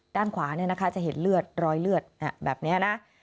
ด้านขวาจะเห็นเลือดรอยเลือดแบบนี้นะ